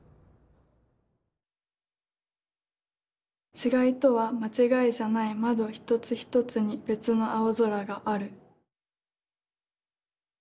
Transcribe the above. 「違いとは間違いじゃない窓ひとつひとつに別の青空がある」。